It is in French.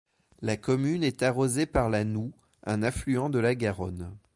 La commune est arrosée par la Noue un affluent de la Garonne.